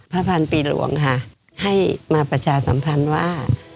พันปีหลวงค่ะให้มาประชาสัมพันธ์ว่า